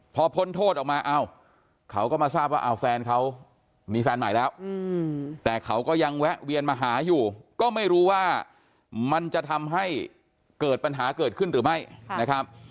พอพ้นโทษออกมาเอ้าเขาก็มาทราบว่าแฟนเขามีแฟนใหม่แล้วแต่เขาก็ยังแวะเวียนมาหาอยู่ก็ไม่รู้ว่ามันจะทำให้เกิดปัญหาเกิดขึ้นหรือไม่นะครับ